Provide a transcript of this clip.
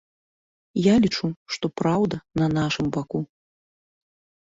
Я лічу, што праўда на нашым баку.